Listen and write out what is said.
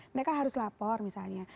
mereka harus lapor misalnya